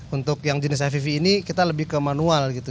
untuk yang jenis hivv ini kita lebih ke manual gitu